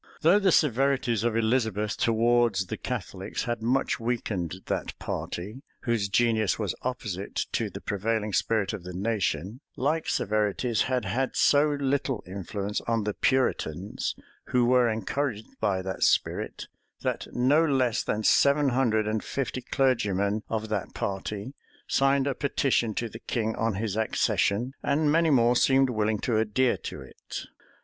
Though the severities of Elizabeth towards the Catholics had much weakened that party, whose genius was opposite to the prevailing spirit of the nation, like severities had had so little influence on the Puritans, who were encouraged by that spirit, that no less than seven hundred and fifty clergymen of that party signed a petition to the king on his accession; and many more seemed willing to adhere to it.